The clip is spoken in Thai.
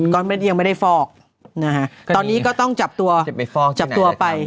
ก็ยังไม่ได้ฟอกนะฮะตอนนี้ก็ต้องจับตัวจับตัวไป